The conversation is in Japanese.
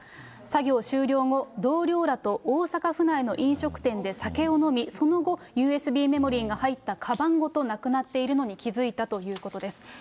作業終了後、同僚らと大阪府内の飲食店で酒を飲み、その後、ＵＳＢメモリーが入ったかばんごとなくなっているのに気付いたということです。